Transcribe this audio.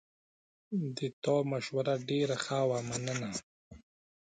د تا مشوره ډېره ښه وه، مننه